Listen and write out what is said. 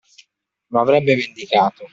Lo avrebbe vendicato.